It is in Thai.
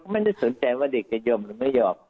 ไม่ได้สนใจว่าเด็กจะยอมหรือไม่ยอม